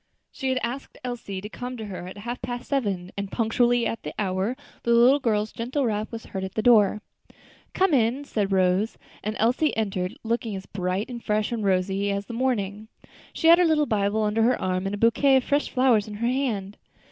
She had asked Elsie to come to her at half past seven, and punctually at the hour the little girl's gentle rap was heard at her door. "Come in," said Rose, and Elsie entered, looking as bright and fresh and rosy as the morning. She had her little Bible under her arm, and a bouquet of fresh flowers in her hand.